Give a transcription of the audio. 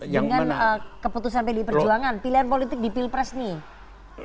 dengan keputusan pdi perjuangan pilihan politik di pilpres nih